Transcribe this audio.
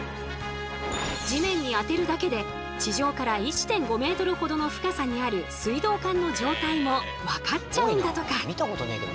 地面にあてるだけで地上から１．５ｍほどの深さにある水道管の状態も分かっちゃうんだとか。